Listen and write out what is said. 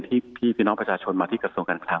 พี่น้องประชาชนมาที่กระทรวงการคลัง